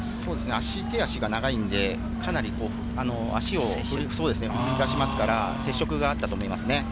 手足が長いので、かなり足を前に出しますから、接触があったと思いますね。